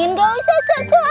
ini enggak ada